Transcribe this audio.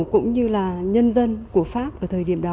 cũng như là nhân dân của pháp ở thời điểm đó